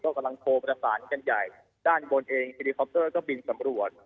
ก็กำลังโทรประสานกันใหญ่ด้านบนเองก็บินสำรวจ